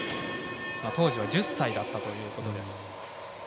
当時は１０歳だったということです。